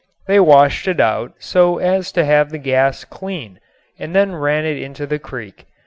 They washed it out so as to have the gas clean and then ran it into the creek.